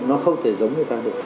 nó không thể giống người ta được